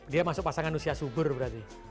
dia masuk pasangan usia subur berarti